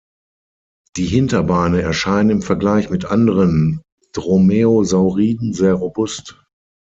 Die Hinterbeine erscheinen im Vergleich mit anderen Dromaeosauriden sehr robust.